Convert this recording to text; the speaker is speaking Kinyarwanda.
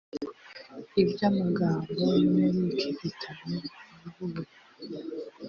iby amagambo yo muri iki gitabo cyubuwe